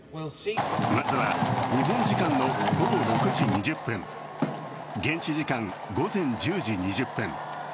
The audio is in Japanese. まずは日本時間の午後６時２０分、現地時間午前１０時２０分。